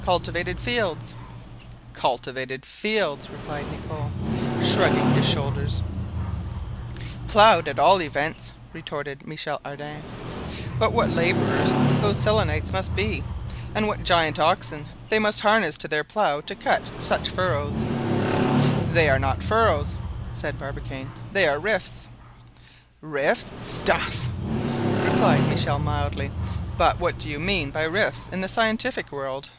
cultivated fields!" "Cultivated fields!" replied Nicholl, shrugging his shoulders. "Plowed, at all events," retorted Michel Ardan; "but what laborers those Selenites must be, and what giant oxen they must harness to their plow to cut such furrows!" "They are not furrows," said Barbicane; "they are rifts." "Rifts? stuff!" replied Michel mildly; "but what do you mean by 'rifts' in the scientific world?"